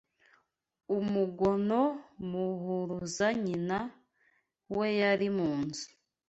Umugono muwuhuruza Nyina, we yali mu nzu